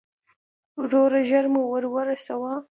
وروره، ژر مو ور ورسوه.